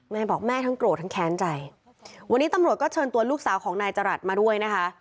แม่บอกแม่ทั้งโกรธทั้งแค้นใจวันนี้ตำรวจก็เชิญตัวลูกสาวของนายจรัสมาด้วยนะคะ